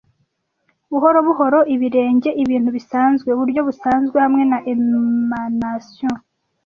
Buhoro buhoro ibirenge, ibintu bisanzwe, uburyo busanzwe hamwe na emanations,